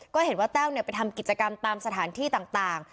ก็เห็นว่าแต้วไปทำกิจกรรมตามสถานที่ต่าง